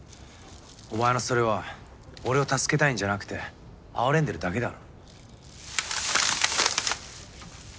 お前のそれは俺を助けたいんじゃなくて哀れんでるだけだろ。